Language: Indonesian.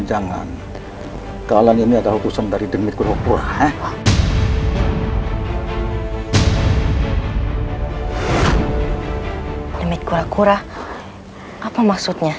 jadi kalian sudah pernah tahu dengan demit kura kura